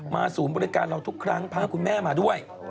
ศูนย์บริการเราทุกครั้งพาคุณแม่มาด้วย